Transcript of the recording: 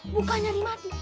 buka nyari mati